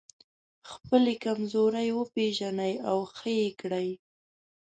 خپلې کمزورۍ وپېژنئ او ښه يې کړئ.